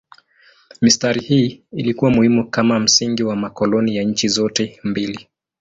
Mistari hii ilikuwa muhimu kama msingi wa makoloni ya nchi zote mbili.